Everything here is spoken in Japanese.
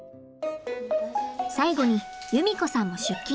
最後に優美子さんも出勤。